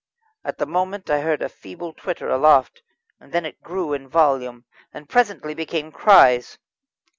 At the moment I heard a feeble twitter aloft, then it grew in volume, and presently became cries.